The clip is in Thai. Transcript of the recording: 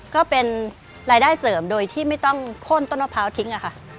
ก็เป็นรายได้เสริมโดยที่ไม่ต้องโค้นต้นมะพร้าวทิ้งค่ะ